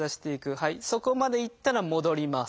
そこまで行ったら戻ります。